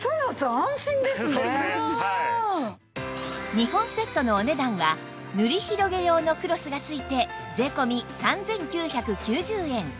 ２本セットのお値段は塗り広げ用のクロスが付いて税込３９９０円